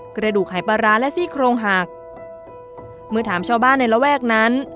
กระดูกหายปลาร้าและซี่โครงหักเมื่อถามชาวบ้านในระแวกนั้น